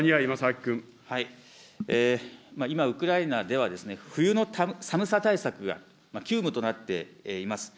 今、ウクライナでは、冬の寒さ対策が急務となっています。